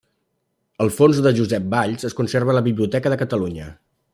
El fons de Josep Valls es conserva a la Biblioteca de Catalunya.